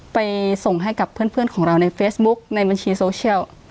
ไปส่งให้กับเพื่อนของเราในเฟซบุ๊กในบัญชีโซเชียล